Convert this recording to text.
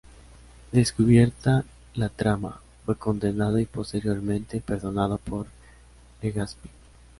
Descubierta la trama, fue condenado y posteriormente perdonado por Legazpi.